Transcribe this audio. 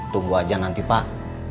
tunggu saja nanti pak